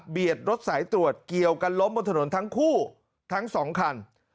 รถสายตรวจเกี่ยวกันล้มบนถนนทั้งคู่ทั้งสองคัน